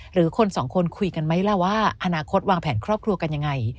หรือคนสองคนคุยกันไหมล่ะว่าอนาคตวางแผนครอบครัวกันยังไง